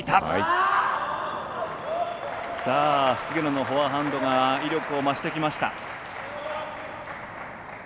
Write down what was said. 菅野のフォアハンドが威力を増してきました。